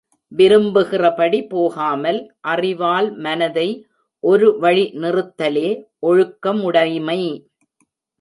விரும்புகிறபடி போகாமல் அறிவால் மனதை ஒரு வழி நிறுத்தலே ஒழுக்கமுடைமை.